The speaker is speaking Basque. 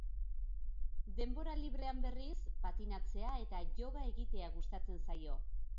Denbora librean, berriz, patinatzea eta yoga egitea gustatzen zaio.